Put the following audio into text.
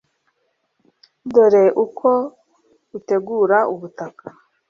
Dore uko utegura ubutaka